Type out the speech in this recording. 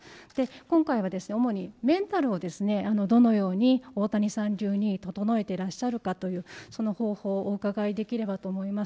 今回は主にメンタルをどのように大谷さん流に整えていらっしゃるかというその方法をお伺いできればと思います。